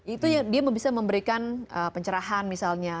itu dia bisa memberikan pencerahan misalnya